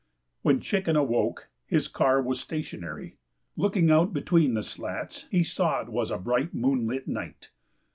When Chicken awoke his car was stationary. Looking out between the slats he saw it was a bright, moonlit night.